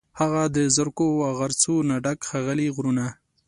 هغه د زرکو، او غرڅو، نه ډک، ښاغلي غرونه